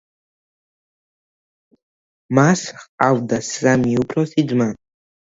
მას ჰყავდა სამი უფროსი ძმა.